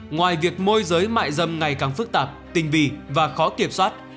ngoài việc môi giới mại dâm ngày càng phức tạp tình vi và khó kiểm soát